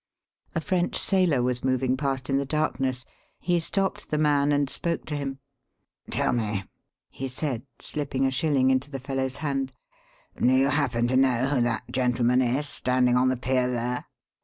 A French sailor was moving past in the darkness. He stopped the man and spoke to him. "Tell me," he said, slipping a shilling into the fellow's hand, "do you happen to know who that gentleman is, standing on the pier there?"